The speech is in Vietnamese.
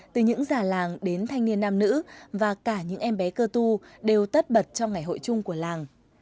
từ những già làng đến thanh niên nam nữ và cả những em bé cơ tu đều tất bật trong ngày hội chung của làng